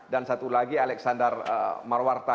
dan satu lagi alexander marwarta